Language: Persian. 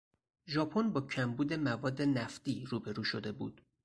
ژاپن با کمبود مواد نفتی روبرو شده بود.